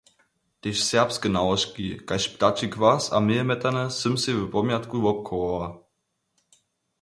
Tež serbske nałožki kaž ptači kwas a mejemjetanje sym sej w pomjatku wobchowała.